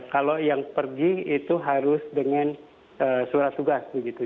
kalau yang pergi itu harus dengan surat tugas begitu